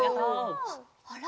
あら？